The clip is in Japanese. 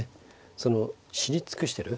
その知り尽くしてる。